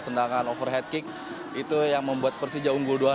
tendangan overhead kick itu yang membuat persija unggul dua